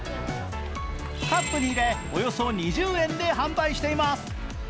カップに入れ、およそ２０円で販売しています。